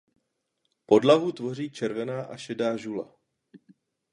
Podlahu tvoří červená a šedá žula.